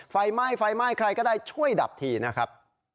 ไฟไหม้ไฟไหม้ใครก็ได้ช่วยดับทีนะครับ